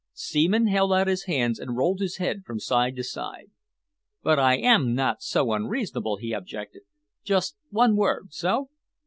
Seaman held out his hands and rolled his head from side to side. "But I am not so unreasonable," he objected. "Just one word so?